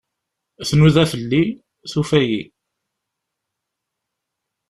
Tnuda fell-i, tufa-iyi.